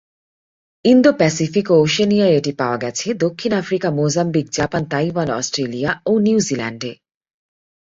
Indo-Pacific ও ওশেনিয়ায় এটি পাওয়া গেছে দক্ষিণ Africa, Mozambique, Japan, Taiwan, Australia ও নিউজিল্যান্ডে।